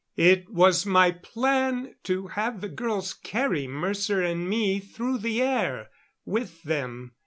It was my plan to have the girls carry Mercer and me through the air with them.